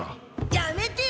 やめてよ！